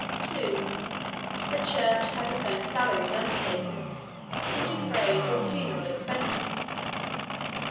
2. The church has its own salaried undertakers, and defrays all funeral expenses.